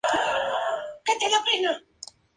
Fue publicado por la discográfica Sony Music Entertainment.